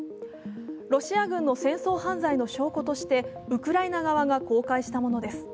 ロシア軍の戦争犯罪の証拠としてウクライナ側が公開したものです。